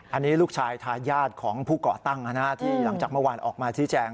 อันนี้ลูกชายทายาทของผู้ก่อตั้งที่หลังจากเมื่อวานออกมาชี้แจง